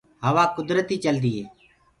هوآ ڪُدرتيٚ چلدو هي